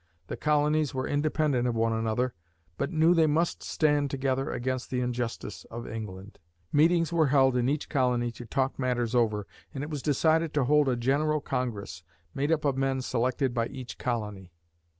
The colonies were independent of one another, but knew they must stand together against the injustice of England. Meetings were held in each colony to talk matters over, and it was decided to hold a General Congress, made up of men selected by each colony.